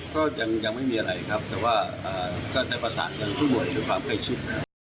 ก็ยังไม่มีอะไรครับแต่ว่าก็ได้ประสานกันทุกบ่อยเป็นความคลิกชุด